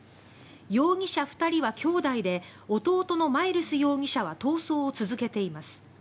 容疑者２人は兄弟で弟のマイルス容疑者は逃走を続けています。